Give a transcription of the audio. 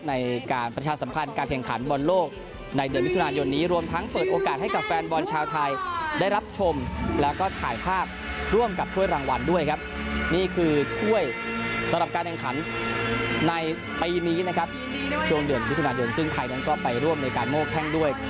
ในการประดาชาสัมพันธ์การแ